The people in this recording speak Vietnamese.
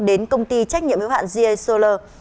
đến công ty trách nhiệm hiệu hạn g a solar